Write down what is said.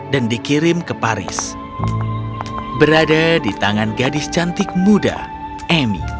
dan dikirim ke paris berada di tangan gadis cantik muda amy